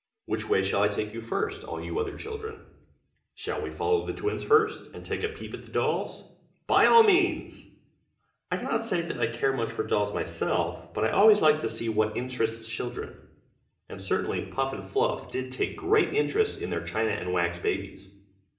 Which way shall I take you first, all you other children? shall we follow the twins first, and take a peep at the dolls? by all means! I cannot say that I care much for dolls myself, but I always like to see what interests children, and certainly Puff and Fluff did take great interest in their china and wax babies.